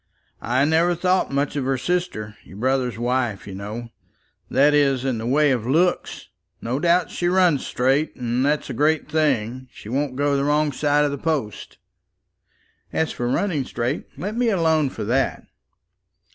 I never thought much of her sister, your brother's wife, you know, that is in the way of looks. No doubt she runs straight, and that's a great thing. She won't go the wrong side of the post." "As for running straight, let me alone for that."